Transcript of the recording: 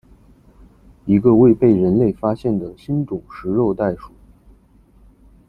一个未被人类发现的新种食肉袋鼠。